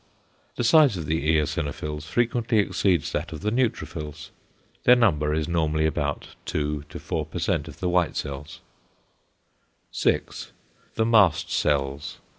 The size of the eosinophils frequently exceeds that of the neutrophils. Their number is normally about 2 4% of the white cells. 6. The mast cells.